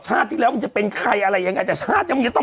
ที่แล้วมันจะเป็นใครอะไรยังไงแต่ชาติยังจะต้อง